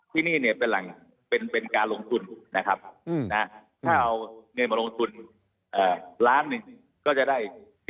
ที่นี่เป็นการลงทุนถ้าเอาเงินมาลงทุนล้านก็จะได้๑๐